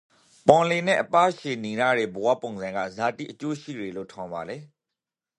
ပင်လယ်နန့်အပါးချေနိန်ရယေဘဝပုံစံကဇာတိအကျိုးရှိယေလို့ ထင်ပါလေ?